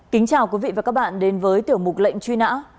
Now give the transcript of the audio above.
kính chào quý vị và các bạn đến với tiểu mục lệnh truy nã